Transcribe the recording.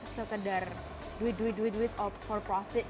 sampai jumpa di video selanjutnya